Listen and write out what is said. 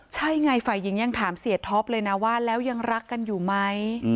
ใช่ไงฝ่ายหญิงยังถามเสียท็อปเลยนะว่าแล้วยังรักกันอยู่ไหม